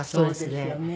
そうですよね。